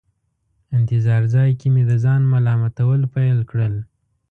انتظار ځای کې مې د ځان ملامتول پیل کړل.